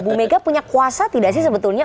bu mega punya kuasa tidak sih sebetulnya